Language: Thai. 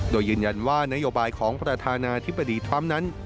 โดยยืนยันว่านโยบายของประธานาธิบดีทรัมป์นั้น